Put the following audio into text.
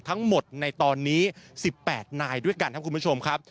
ทั้งหมดในตอนนี้๑๘นายด้วยกันครับคุณผู้ชมครับ